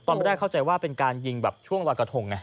ตอนก็ได้เข้าใจว่าเป็นการยิงช่วงวัตกฐมฯเนี่ย